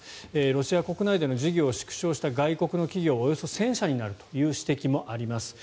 ロシア国内での事業を縮小した外国企業はおよそ１０００社になるという指摘もあります。